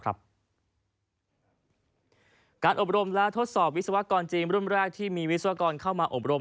การอบรมและทดสอบวิศวกรจีนรุ่นแรกที่มีวิศวกรเข้ามาอบรม